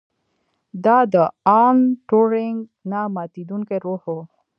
دا د الن ټورینګ نه ماتیدونکی روح و